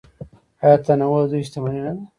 آیا تنوع د دوی شتمني نه ده؟